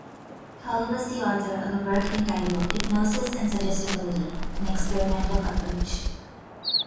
Hull was the author of a work entitled "Hypnosis and Suggestibility: An Experimental Approach".